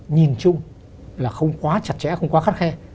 nhìn chung là không quá chặt chẽ không quá khắt khe